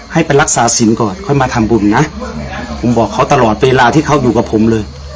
ให้ไปรักษาสินก่อนค่อยมาทำบุญนะผมบอกเขาตลอดเวลาที่เขาอยู่กับผมเลย